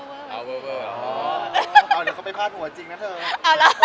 เดี๋ยวเขาไปพาดหัวจริงนะเถอะ